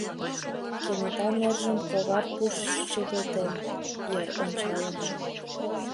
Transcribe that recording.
Кенета нержым когар пуш чыгылтен, йыр ончалын.